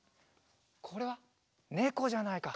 これはねこじゃないか。